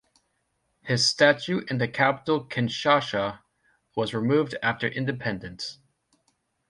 His statue in the capital Kinshasa was removed after independence.